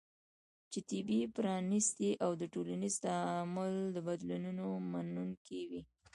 چې طبیعي، پرانستې او د ټولنیز تعامل د بدلونونو منونکې وي